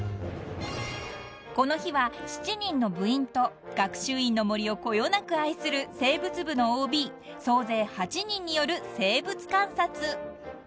［この日は７人の部員と学習院の森をこよなく愛する生物部のＯＢ総勢８人による生物観察］